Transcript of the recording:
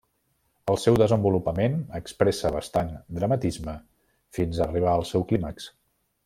El seu desenvolupament expressa bastant dramatisme fins a arribar al seu clímax.